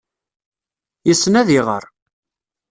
Yessen ad iɣer.